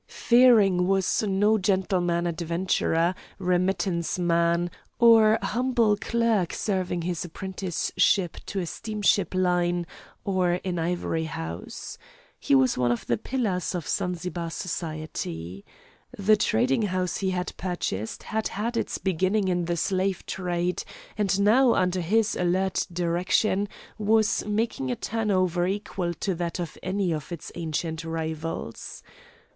Fearing was no gentleman adventurer, remittance man, or humble clerk serving his apprenticeship to a steamship line or an ivory house. He was one of the pillars of Zanzibar society. The trading house he had purchased had had its beginnings in the slave trade, and now under his alert direction was making a turnover equal to that of any of its ancient rivals.